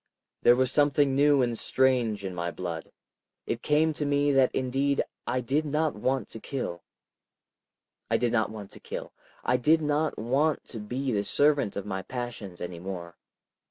There was something new and strange in my blood. It came to me that indeed I did not want to kill. I did not want to kill. I did not want to be the servant of my passions any more.